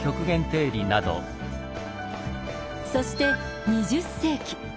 そして２０世紀。